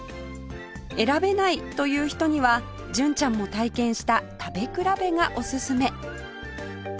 選べない！という人には純ちゃんも体験した食べ比べがおすすめ